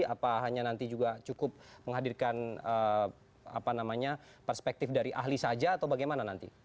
apa hanya nanti juga cukup menghadirkan perspektif dari ahli saja atau bagaimana nanti